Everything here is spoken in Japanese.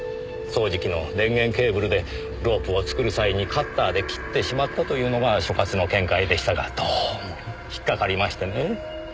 掃除機の電源ケーブルでロープを作る際にカッターで切ってしまったというのが所轄の見解でしたがどうも引っかかりましてねえ。